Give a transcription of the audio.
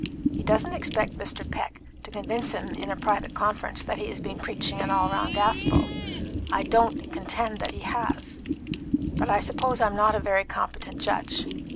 He doesn't expect Mr. Peck to convince him in a private conference that he has been preaching an all round gospel. I don't contend that he has; but I suppose I'm not a very competent judge.